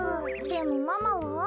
でもママは？